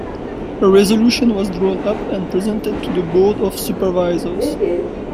A resolution was drawn up and presented to the Board of Supervisors.